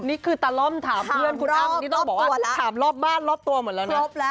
นี่คือตาล่อมถามเพื่อนคุณอ้ำนี่ต้องบอกว่าถามรอบบ้านรอบตัวหมดแล้วนะ